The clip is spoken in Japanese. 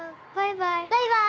バイバイ。